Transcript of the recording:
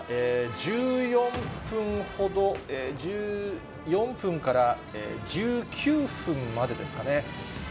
１４分ほど、１４分から１９分までですかね。